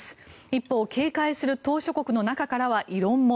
一方、計画する島しょ国の中からは異論も。